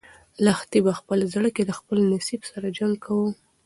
لښتې په خپل زړه کې د خپل نصیب سره جنګ کاوه.